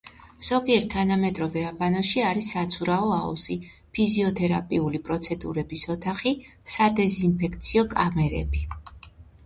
ზოგიერთ თანამედროვე აბანოში არის საცურაო აუზი, ფიზიოთერაპიული პროცედურების ოთახი, სადეზინფექციო კამერები.